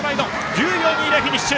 １０秒２０でフィニッシュ。